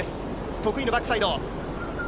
得意のバックサイド。